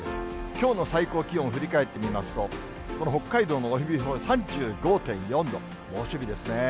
きょうの最高気温、振り返ってみますと、この北海道の帯広３５．４度、猛暑日ですね。